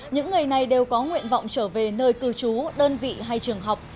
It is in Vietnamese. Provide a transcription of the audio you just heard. những người này đều có nguyện vọng trở về nơi cư trú đơn vị hay trường học